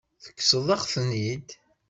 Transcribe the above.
Tekkseḍ-aɣ-ten-id.